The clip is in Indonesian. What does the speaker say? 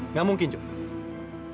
nggak mungkin joe